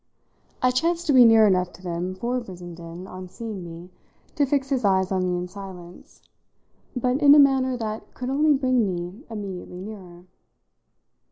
I chanced to be near enough to them for Brissenden, on seeing me, to fix his eyes on me in silence, but in a manner that could only bring me immediately nearer.